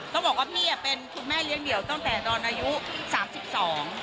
เขาบอกว่าพี่อ่ะเป็นคุณแม่เลี้ยงเดี่ยวตั้งแต่ตอนอายุสามสิบสอง